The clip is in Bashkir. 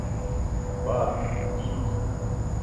Бар, кит!